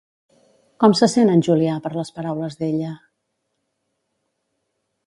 Com se sent en Julià per les paraules d'ella?